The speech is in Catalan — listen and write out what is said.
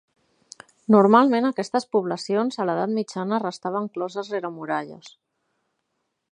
Normalment aquestes poblacions, a l'edat mitjana, restaven closes rere muralles.